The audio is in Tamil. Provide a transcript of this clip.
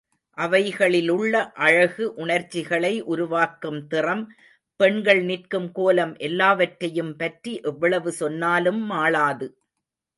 அவைகளிலுள்ள அழகு, உணர்ச்சிகளை உருவாக்கும் திறம், பெண்கள் நிற்கும் கோலம் எல்லாவற்றையும் பற்றி எவ்வளவு சொன்னாலும் மாளாது.